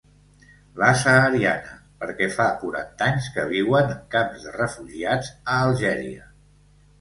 La sahariana, perquè fa quaranta anys que viuen en camps de refugiats a Algèria.